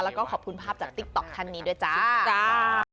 แล้วก็ขอบคุณภาพจากติ๊กต๊อกท่านนี้ด้วยจ้า